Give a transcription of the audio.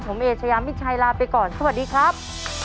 ผมเอเชยามิชัยลาไปก่อนสวัสดีครับ